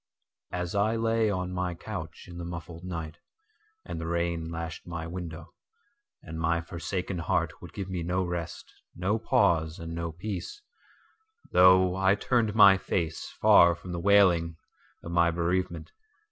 As I lay on my couch in the muffled night, and the rain lashed my window, And my forsaken heart would give me no rest, no pause and no peace, Though I turned my face far from the wailing of my bereavement.